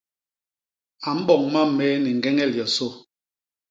A mboñ mam méé ni ñgeñel yosô.